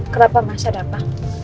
kenapa mas ada apa